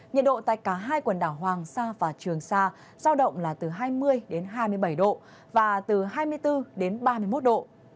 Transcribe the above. nhiệt độ tại cả hai quần đảo hoàng sa và trường sa giao động là từ hai mươi đến hai mươi bảy độ và từ hai mươi bốn đến ba mươi một độ